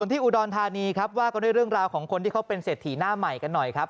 ที่อุดรธานีครับว่ากันด้วยเรื่องราวของคนที่เขาเป็นเศรษฐีหน้าใหม่กันหน่อยครับ